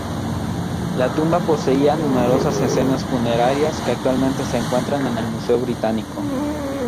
La tumba poseía numerosas escenas funerarias que actualmente se encuentran en el Museo Británico.